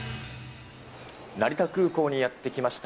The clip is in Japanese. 成田空港にやって来ました。